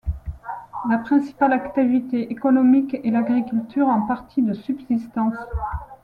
La principale activité économique est l'agriculture, en partie de subsistance.